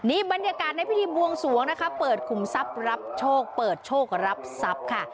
นี่บรรยากาศในพิธีบวงสวงนะคะเปิดขุมทรัพย์รับโชคเปิดโชครับทรัพย์ค่ะ